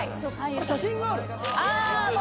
写真がある。